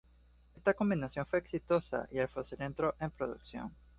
Esta combinación fue exitosa y el fusil entró en producción.